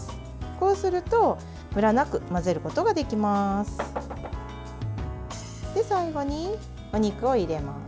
こうするとムラなく混ぜることができます。